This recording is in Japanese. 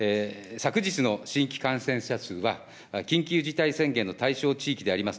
昨日の新規感染者数は、緊急事態宣言の対象地域であります